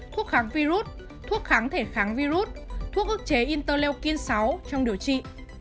thuốc kháng virus thuốc kháng thể kháng virus thuốc ức chế interleukin sáu trong điều trị